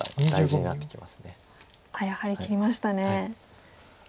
やはり切りましたね。